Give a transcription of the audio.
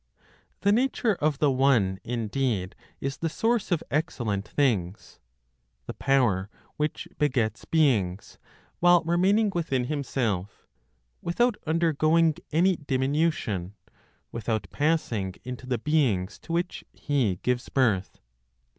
The nature of the One, indeed, is the source of excellent things, the power which begets beings, while remaining within Himself, without undergoing any diminution, without passing into the beings to which He gives birth.